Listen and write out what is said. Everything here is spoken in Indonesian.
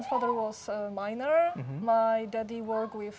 ayah saya bekerja dengan fabrik kain